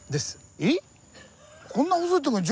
えっ！